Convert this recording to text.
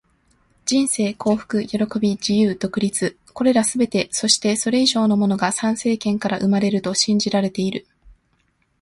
人生、幸福、喜び、自由、独立――これらすべて、そしてそれ以上のものが参政権から生まれると信じられている。